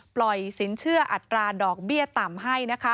ปล่อยสินเชื่ออัตราดอกเบี้ยต่ำให้